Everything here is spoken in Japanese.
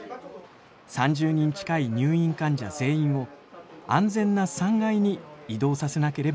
３０人近い入院患者全員を安全な３階に移動させなければなりません。